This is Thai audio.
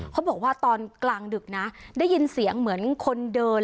เขาบอกว่าตอนกลางดึกนะได้ยินเสียงเหมือนคนเดิน